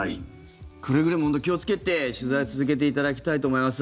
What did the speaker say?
くれぐれも気をつけて取材を続けていただきたいと思います。